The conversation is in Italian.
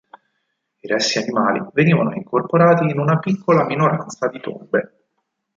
I resti animali venivano incorporati in una piccola minoranza di tombe.